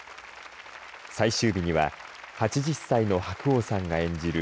最終日には８０歳の白鸚さんが演じる